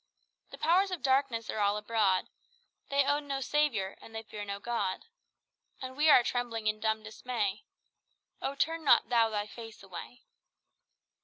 "The powers of darkness are all abroad They own no Saviour, and they fear no God; And we are trembling in dumb dismay; Oh, turn not thou thy face away."